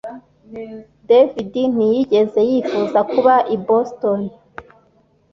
David ntiyigeze yifuza kuba i Boston